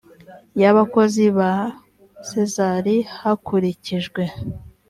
y abakozi ba sezar hakurikijwe